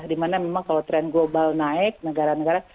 dimana memang kalau tren global naik negara negara